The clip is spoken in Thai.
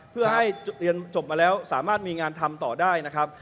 เพื่อให้เรียนจบมาแล้วสามารถมีงานทำต่อได้นะครับ